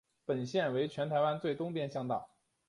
本线为全台湾最东边乡道。